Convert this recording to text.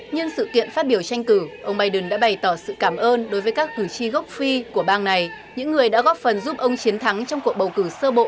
nhân sự kiện phát biểu tranh cử ông biden đã bày tỏ sự cảm ơn đối với các cử tri gốc phi của bang này những người đã góp phần giúp ông chiến thắng trong cuộc bầu cử sơ bộ